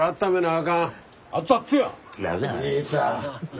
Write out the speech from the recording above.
あ！